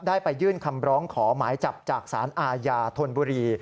ไปยื่นคำร้องขอหมายจับจากสารอาญาธนบุรี